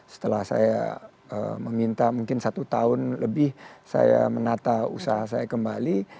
setelah saya meminta mungkin satu tahun lebih saya menata usaha saya kembali